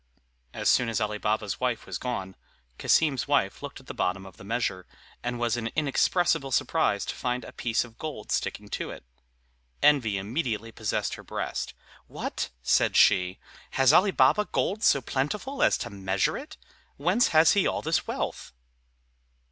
As soon as Ali Baba's wife was gone, Cassim's wife looked at the bottom of the measure, and was in inexpressible surprise to find a piece of gold sticking to it. Envy immediately possessed her breast. "What!" said she, "has Ali Baba gold so plentiful as to measure it? Whence has he all this wealth?"